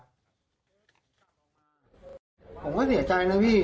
ผมก็เสียใจนะพี่